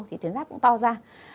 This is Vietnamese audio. thì tuyến giáp cũng to ra